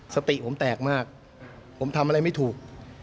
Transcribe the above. สติผมแตกมากผมทำอะไรไม่ถูก